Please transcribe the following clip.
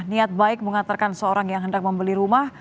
niat baik mengantarkan seorang yang hendak membeli rumah